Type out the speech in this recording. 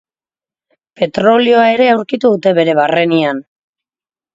Petrolioa ere aurkitu dute bere barrenean.